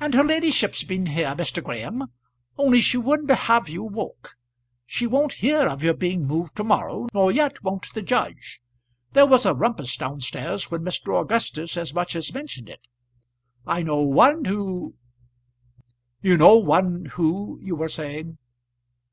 "And her ladyship's been here, Mr. Graham, only she wouldn't have you woke. She won't hear of your being moved to morrow, nor yet won't the judge. There was a rumpus down stairs when Mr. Augustus as much as mentioned it. I know one who " "You know one who you were saying?"